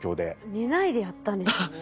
寝ないでやったんでしょうね。